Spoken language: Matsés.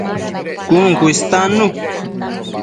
Cun cu istannu